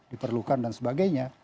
diperlukan dan sebagainya